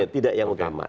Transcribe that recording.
tidak yang utama